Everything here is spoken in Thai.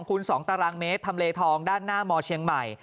คูณ๒ตารางเมตรทำเลทองด้านหน้ามเชียงใหม่